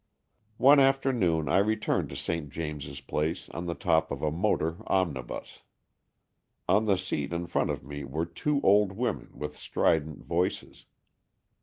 One afternoon I returned to St. James's Place on the top of a motor omnibus. On the seat in front of me were two old women with strident voices.